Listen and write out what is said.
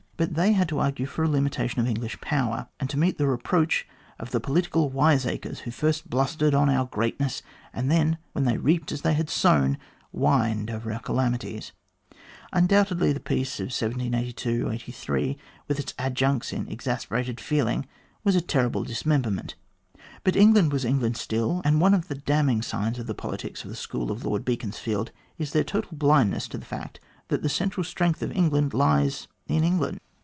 But 252 THE GLADSTONE COLONY they had to argue for a limitation of English power, and to meet the reproach of the political wise acres who first blustered on our greatness, and then, when they reaped as they had sown, whined over our calamities. Undoubtedly, the peace of 1782 83, with its adjuncts in exasperated feeling, was a terrible dismemberment. But England was England still, and one of the damning signs of the politics of the school of Lord Beaconsfield is their total blindness to the fact that the central strength of England lies in England.